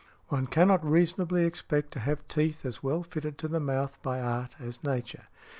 One cannot reasonably expect to have teeth as well fitted to the mouth by art as nature.